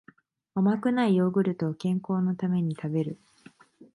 甘くないヨーグルトを健康のために食べる